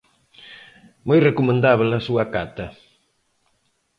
Moi recomendábel a súa cata.